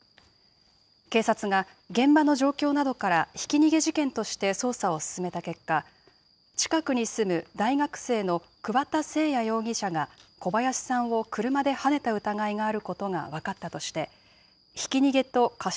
警察が現場の状況などからひき逃げ事件として捜査を進めた結果、近くに住む大学生の桑田聖也容疑者が、小林さんを車ではねた疑いがあることが分かったとして、ひき逃げと過失